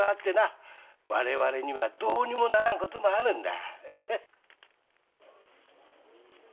我々にはどうにもならんこともあるんだ。